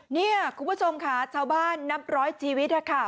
เนี่ยคุณผู้ชมค่ะชาวบ้านนับร้อยชีวิตนะคะ